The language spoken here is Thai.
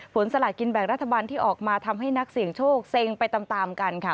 สลากินแบ่งรัฐบาลที่ออกมาทำให้นักเสี่ยงโชคเซ็งไปตามกันค่ะ